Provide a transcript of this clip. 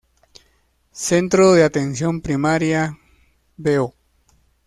Centro de Atención Primaria Bo.